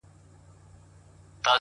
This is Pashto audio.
هغه چي تږې سي اوبه په پټو سترگو څيښي _